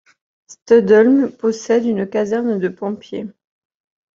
Studholm possède une caserne de pompiers.